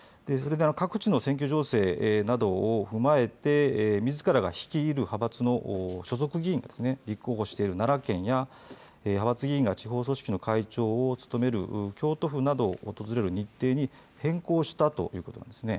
各地の選挙情勢などを踏まえてみずからが率いる派閥の所属議員がですね立候補している奈良県や派閥議員が地方組織の会長を務める京都府などを訪れる日程に変更したということなんですね。